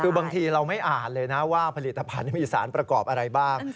คือบางทีเราไม่อ่านเลยนะว่าผลิตภัณฑ์มีสารประกอบอะไรบ้าง